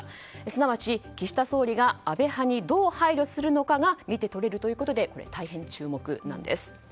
すなわち岸田総理が安倍派にどう配慮するのかが見て取れるということで大変注目なんです。